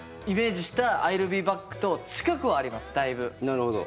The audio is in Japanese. なるほど。